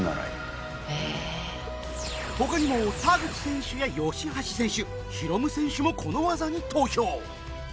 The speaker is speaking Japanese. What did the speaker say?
他にも田口選手や ＹＯＳＨＩ−ＨＡＳＨＩ 選手ヒロム選手もこの技に投票